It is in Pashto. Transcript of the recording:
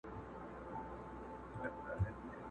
موږكانو ته ډبري كله سوال دئ؛